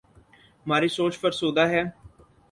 ہماری سوچ فرسودہ ہے۔